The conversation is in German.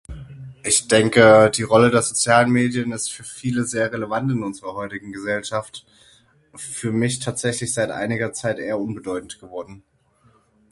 Ich denke die Rolle der sozialen Medien ist für viele sehr relevant in unserer heutigen Gesellschaft, für mich tatsächlich seit einiger Zeit eher unbedeutend geworden.